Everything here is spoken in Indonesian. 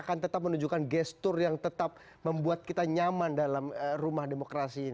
akan tetap menunjukkan gestur yang tetap membuat kita nyaman dalam rumah demokrasi ini